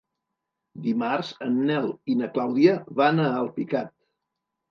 Dimarts en Nel i na Clàudia van a Alpicat.